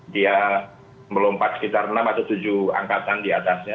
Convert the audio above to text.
dia melompat sekitar enam atau tujuh angkatan di atasnya